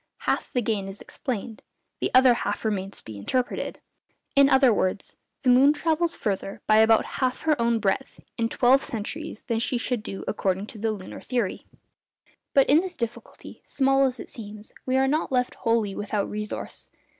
Half the gain is explained, the other half remains to be interpreted; in other words, _the moon travels further by about half her own breadth in twelve centuries than she should do according to the lunar theory_. But in this difficulty, small as it seems, we are not left wholly without resource.